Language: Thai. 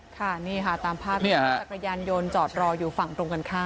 ค่ะนี่ค่ะตามภาพที่เห็นจักรยานยนต์จอดรออยู่ฝั่งตรงกันข้าม